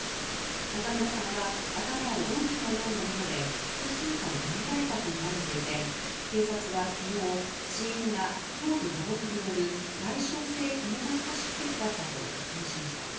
中村さんは頭を鈍器のようなもので複数回、殴られたとみられていて警察は昨日死因が頭部打撲による外傷性くも膜下出血だったと発表しました。